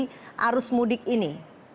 apa yang terjadi dengan arus mudik ini